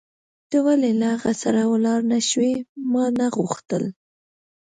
ته ولې له هغه سره ولاړ نه شوې؟ ما نه غوښتل.